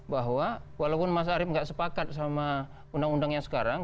bahwa walaupun mas arief nggak sepakat sama undang undang yang sekarang